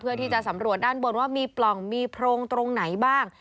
เพื่อที่จะสำรวจด้านบนว่ามีปล่องมีโพรงตรงไหนบ้าง